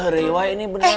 rewa ini beneran sakit